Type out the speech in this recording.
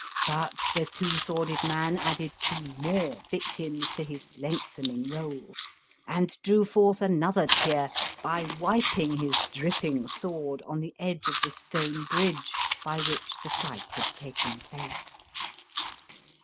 But the Two Sworded Man added two more victims to his lengthen ing roll, and drew forth another cheer by wiping his dripping sword on the edge of the stone bridge by which the fight had taken place.